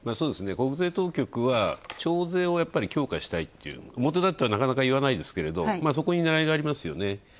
国税当局は徴税を強化したいという表立ってなかなか言わないですけど、そこにねらいがありますよね。